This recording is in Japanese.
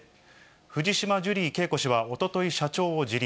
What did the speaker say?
藤島ジュリー景子氏は、おととい、社長を辞任。